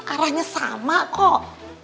arahnya sama kok